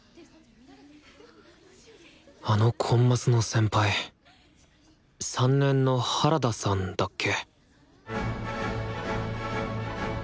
あのコンマスの先輩３年の原田さんだっけ？